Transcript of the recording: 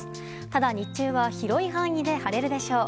ただ、日中は広い範囲で晴れるでしょう。